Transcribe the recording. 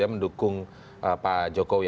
mendukung pak jokowi